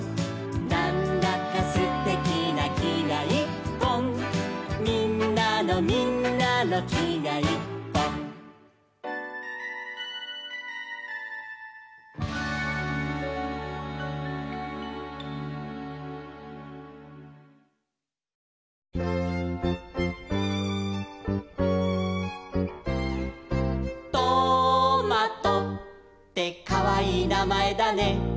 「なんだかすてきなきがいっぽん」「みんなのみんなのきがいっぽん」「トマトってかわいいなまえだね」